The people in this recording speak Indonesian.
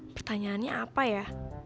pertanyaannya apa ya